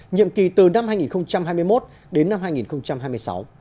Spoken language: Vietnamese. nhiệm kỳ từ năm hai nghìn hai mươi một đến năm hai nghìn hai mươi sáu